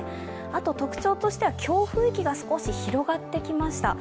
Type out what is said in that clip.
あと特徴としては強風域が広がってきました。